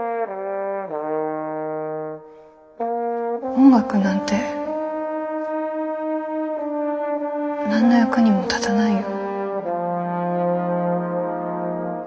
音楽なんて何の役にも立たないよ。